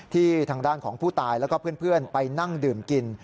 ทางด้านของผู้ตายแล้วก็เพื่อนไปนั่งดื่มกิน